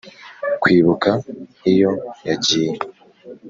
kwibuka iyo yagiye